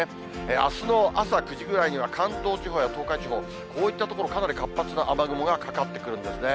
あすの朝９時ぐらいには、関東地方や東海地方、こういった所、かなり活発な雨雲がかかってくるんですね。